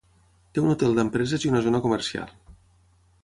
Té un hotel d'empreses i una zona comercial.